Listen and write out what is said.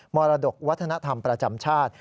มรดกวัฒนธรรมประจำชาติ